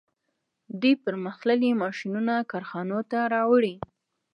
دوی پرمختللي ماشینونه کارخانو ته راوړي